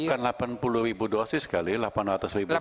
bukan delapan puluh ribu dosis sekali delapan ratus ribu dosi